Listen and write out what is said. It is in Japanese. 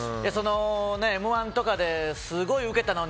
「Ｍ‐１」とかですごいウケたのに